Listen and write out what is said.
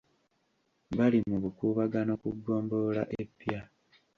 Bali mu bukuubagano ku ggombolola epya.